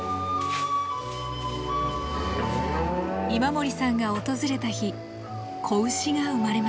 今森さんが訪れた日子牛が生まれました。